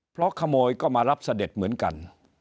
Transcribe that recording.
เพราะขโมยก็มารับเสด็จเหมือนกัน